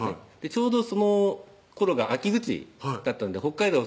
ちょうどそのころが秋口だったんで北海道